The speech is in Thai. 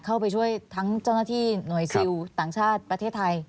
เข้าไปช่วยทั้งเจ้าหน้าที่หน่วยซิลต่างชาติประเทศไทย